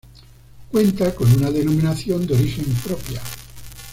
Cuenta con una denominación de origen propia.